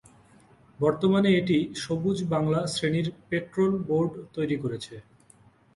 বর্তমানে এটি সবুজ বাংলা শ্রেণীর পেট্রোল বোর্ড তৈরি করছে।